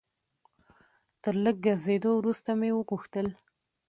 تر لږ ګرځېدو وروسته مې وغوښتل.